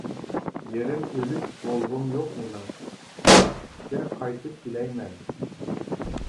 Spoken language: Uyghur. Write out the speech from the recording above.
«يېرىم ئۆلۈك» بولغۇم يوق مېنىڭ، تىرىكلىككە قايتىپ كېلەي مەن.